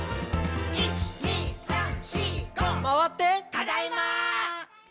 「ただいま！」